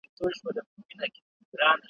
علت یې هماغه د ده خپله خبره ده ,